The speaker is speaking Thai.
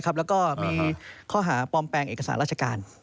แล้วก็มีข้อหาปลอมแปลงเอกสารราชการ